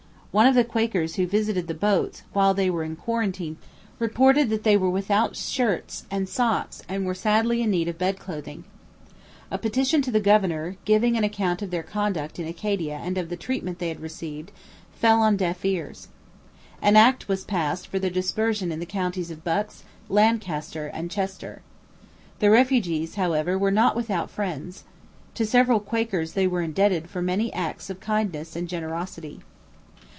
One of the Quakers who visited the boats while they were in quarantine reported that they were without shirts and socks and were sadly in need of bed clothing. A petition to the governor, giving an account of their conduct in Acadia and of the treatment they had received, fell on deaf ears. An act was passed for their dispersion in the counties of Bucks, Lancaster, and Chester. The refugees, however, were not without friends. To several Quakers they were indebted for many acts of kindness and generosity.